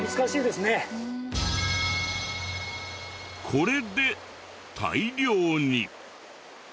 これで大量に。